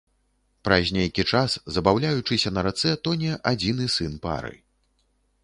Праз нейкі час, забаўляючыся на рацэ, тоне адзіны сын пары.